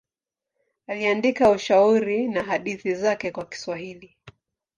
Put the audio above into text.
Aliandika ushairi na hadithi zake kwa Kiswahili.